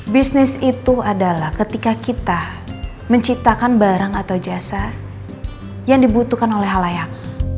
bisnis itu adalah ketika kita menciptakan barang atau jasa yang dibutuhkan oleh halayak